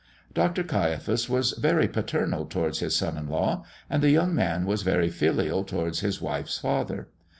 Dr. Caiaphas was very paternal towards his son in law, and the young man was very filial towards his wife's father.